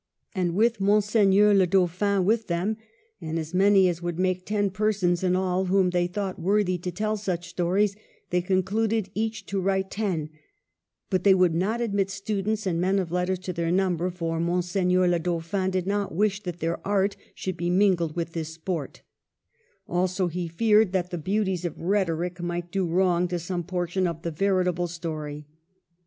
And with Mon seigneur le Dauphin with them, and as many as would make ten persons in all, whom they thought worthy to tell such stories, they concluded each to write ten ; but they would not admit students and men of letters to their number, for Monseigneur le Dauphin did not wish that their art should be mingled with this sport ; also he feared that the beauties of rhetoric might do wrong to some portion of the veritable story.